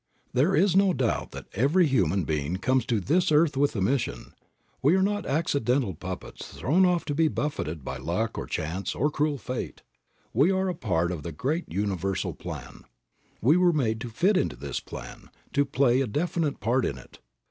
There is no doubt that every human being comes to this earth with a mission. We are not accidental puppets thrown off to be buffetted by luck or chance or cruel fate. We are a part of the great universal plan. We were made to fit into this plan, to play a definite part in it.